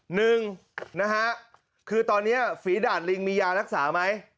หนึ่งคือตอนนี้ฝีดาดลิงมียานักศึกษาไหม